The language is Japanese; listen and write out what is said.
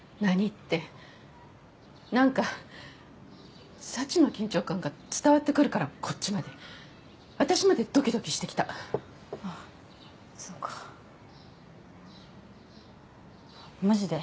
ってなんかサチの緊張感が伝わってくるからこっちまで私までドキドキしてきたあっそうかマジで？